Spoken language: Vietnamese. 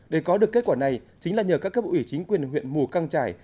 để có được kết quả này chính là nhờ các cấp ủy chính quyền huyện mù căng trải